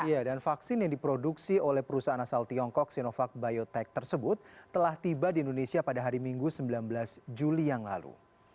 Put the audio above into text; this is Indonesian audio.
iya dan vaksin yang diproduksi oleh perusahaan asal tiongkok sinovac biotech tersebut telah tiba di indonesia pada hari minggu sembilan belas juli yang lalu